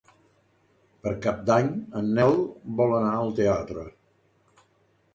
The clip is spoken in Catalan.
Per Cap d'Any en Nel vol anar al teatre.